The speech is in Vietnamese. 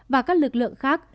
và các lực lượng khác